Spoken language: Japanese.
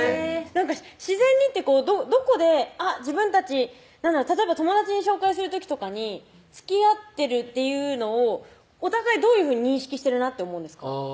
自然にってどこであっ自分たち例えば友達に紹介する時とかにつきあってるっていうのをお互いどういうふうに認識してるなって思うんですか？